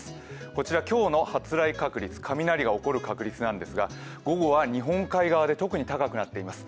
こちら今日の発雷確率、雷が起きる可能性なんですが午後は日本海側で特に高くなっています。